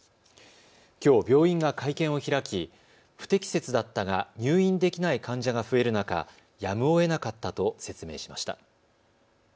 きょう病院が会見を開き、不適切だったが入院できない患者が増える中、やむをえなかったと説明しました。